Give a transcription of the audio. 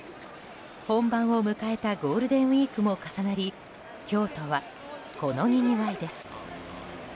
本番を迎えたゴールデンウィークも重なり京都はこのにぎわいです。